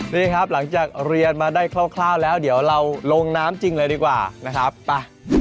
นี่ครับหลังจากเรียนมาได้คร่าวแล้วเดี๋ยวเราลงน้ำจริงเลยดีกว่านะครับไป